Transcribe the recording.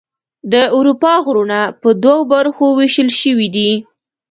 د اروپا غرونه په دوه برخو ویشل شوي دي.